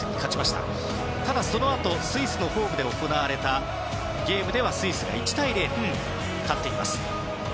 ただ、そのあとスイスのホームで行われたゲームでは、スイスが１対０で勝っています。